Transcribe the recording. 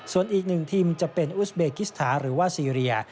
ส่วนอีกหนึ่งทีมจะเป็นอุสเบกิสถานหรือว่าซีเรีย